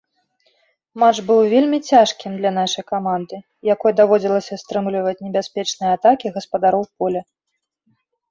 Матч быў вельмі цяжкім для нашай каманды, якой даводзілася стрымліваць небяспечныя атакі гаспадароў поля.